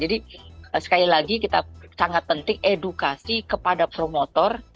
jadi sekali lagi kita sangat penting edukasi kepada promotor